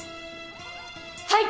はい！